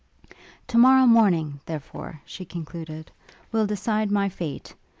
'To morrow morning, therefore,' she continued, 'will decide my fate.